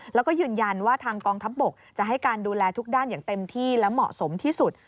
แล้วก็ยืนยันว่าทางกองทัพบกจะให้การดูแลทุกด้านอย่างเต็มที่และเหมาะสมที่สุด